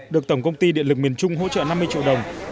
được tổng công ty điện lực miền trung hỗ trợ năm mươi triệu đồng